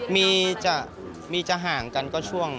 มีวินากรมอะไรแหละมีจะห่างกันช่วงหลัง